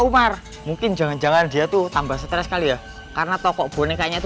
umar mungkin jangan jangan dia tuh tambah stres kali ya karena toko bonekanya itu